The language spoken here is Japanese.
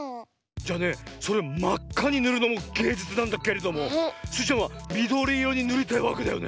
じゃあねそれをまっかにぬるのもげいじゅつなんだけれどもスイちゃんはみどりいろにぬりたいわけだよね？